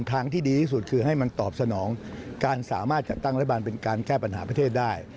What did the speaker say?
ทางที่ดีที่สุดคือให้มันตอบสนองการสามารถจัดตั้งรัฐบาลเป็นการแก้ปัญหาประเทศได้